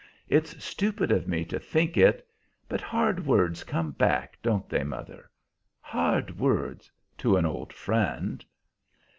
It's stupid of me to think it. But hard words come back, don't they, mother? Hard words to an old friend!"